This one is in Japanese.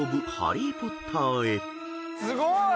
すごーい！